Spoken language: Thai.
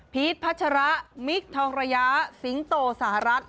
พัชระมิคทองระยะสิงโตสหรัฐ